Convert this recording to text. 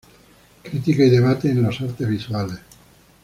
Crítica y debate en las artes visuales".